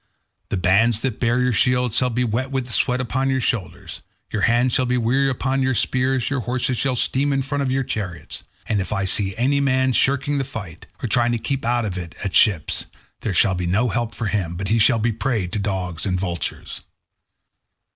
The bands that bear your shields shall be wet with the sweat upon your shoulders, your hands shall weary upon your spears, your horses shall steam in front of your chariots, and if I see any man shirking the fight, or trying to keep out of it at the ships, there shall be no help for him, but he shall be a prey to dogs and vultures."